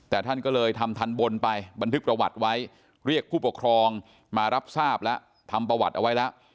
แต่ท่านก็เลยทำทันบนไปบันทึกประวัติไว้เรียกผู้ปกครองมารับทราบแล้วทำประวัติเอาไว้แล้ว